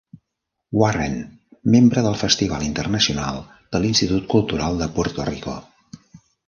Warren, membre del Festival Internacional de l'Institut Cultural de Puerto Rico.